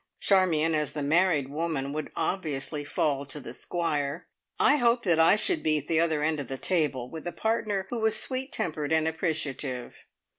Charmion, as the married woman, would obviously fall to the Squire. I hoped I should be at the other end of the table, with a partner who was sweet tempered and appreciative.